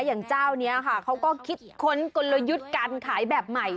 อย่างเจ้านี้ค่ะเขาก็คิดค้นกลยุทธ์การขายแบบใหม่